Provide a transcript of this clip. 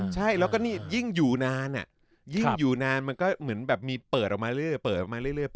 ใช่แล้วก็นี่ยิ่งอยู่นานอ่ะยิ่งอยู่นานมันก็เหมือนแบบมีเปิดออกมาเรื่อย